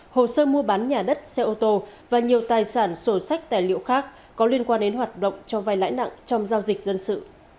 hồ sơ mua bán nhà đất xe ô tô và nhiều tài sản sổ sách tài liệu khác có liên quan đến hoạt động cho vai lãi nặng trong giao dịch dân sự